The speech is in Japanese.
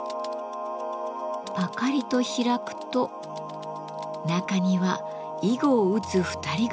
ぱかりと開くと中には囲碁を打つ２人組が。